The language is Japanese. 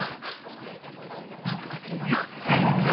何とかするのよ。